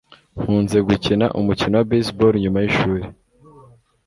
Nkunze gukina umukino wa baseball nyuma yishuri